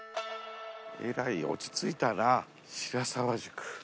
えらい落ち着いたな白沢宿。